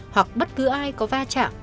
hoặc bất cứ ai có va chạm